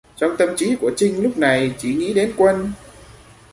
Trong tâm trí của Trinh lúc này chỉ nghĩ đến quân